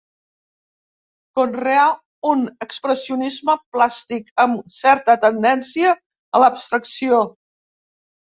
Conreà un expressionisme plàstic amb certa tendència a l'abstracció.